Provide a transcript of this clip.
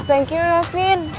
ah thank you ya vin